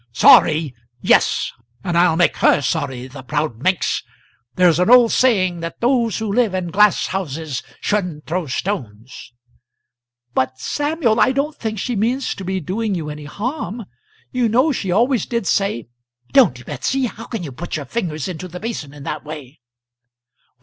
"Sorry; yes, and I'll make her sorry, the proud minx. There's an old saying, that those who live in glass houses shouldn't throw stones." "But, Samuel, I don't think she means to be doing you any harm. You know she always did say Don't, Bessy; how can you put your fingers into the basin in that way?"